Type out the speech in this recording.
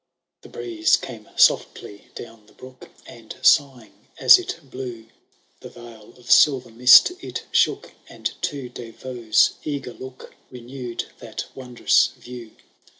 XIL The breeze came softly down the brook,' And, sighing as it blew. The yell of sil?er mist it shook. And to De Vaux*s eager look Renewed that wondrous Tiew.'